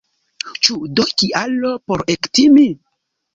Ĉu do kialo por ektimi?